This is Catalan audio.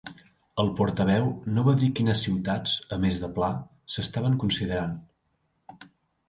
El portaveu no va dir quines ciutats, a més de Pla, s'estaven considerant.